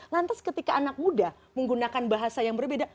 lantas ketika anak muda menggunakan bahasa yang berbeda